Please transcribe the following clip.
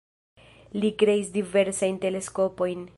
Li kreis diversajn teleskopojn.